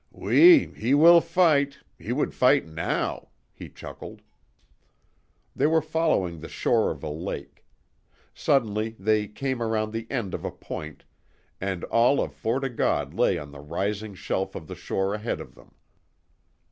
"Oui, he will fight! He would fight NOW," he chuckled. They were following the shore of a lake. Suddenly they came around the end of a point, and all of Fort O' God lay on the rising shelf of the shore ahead of them.